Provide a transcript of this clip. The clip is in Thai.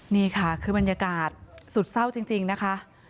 นี่ค่ะคือบรรยากาศสุดเศร้าจริงนะคะ